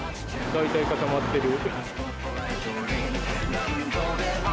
大体固まってる。